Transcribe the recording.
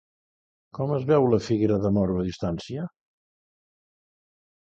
Com es veu la figuera de moro a distància?